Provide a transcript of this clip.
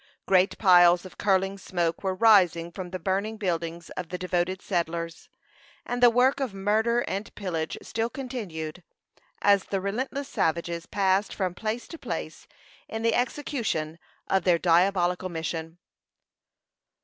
Great piles of curling smoke were rising from the burning buildings of the devoted settlers, and the work of murder and pillage still continued, as the relentless savages passed from place to place in the execution of their diabolical mission.